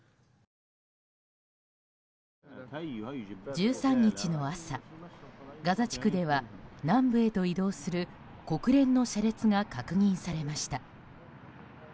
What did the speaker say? １３日の朝、ガザ地区では南部へと移動する国連の車列が確認されました。